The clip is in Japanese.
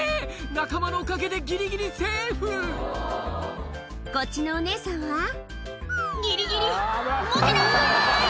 仲間のおかげでギリギリセーフこっちのお姉さんはギリギリ持てない！